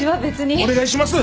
お願いします！